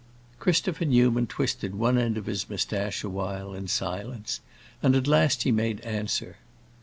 Christopher Newman twisted one end of his moustache a while, in silence, and at last he made answer.